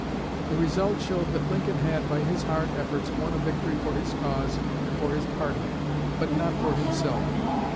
The result showed that Lincoln had, by his hard efforts, won a victory for his cause and for his party, but not for himself.